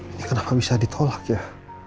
ini kenapa bisa ditolak ya